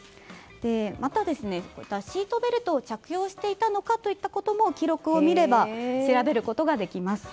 また、シートベルトを着用していたのかといったことも記録を見れば調べることができます。